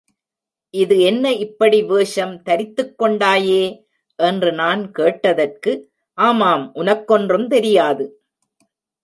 இது என்ன இப்படி வேஷம் தரித்துக் கொண்டாயே! என்று நான் கேட்டதற்கு, ஆமாம், உனக்கொன்றும் தெரியாது.